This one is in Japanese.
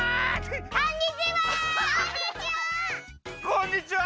こんにちは！